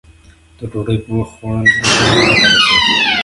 د ډوډۍ په وخت خوړل بدن ته ګټه رسوی.